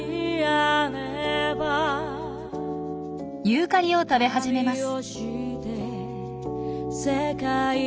ユーカリを食べ始めます。